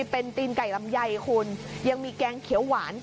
เป็นตีนไก่ลำไยคุณยังมีแกงเขียวหวาน